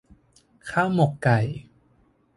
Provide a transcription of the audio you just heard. ข้าวหมกไก่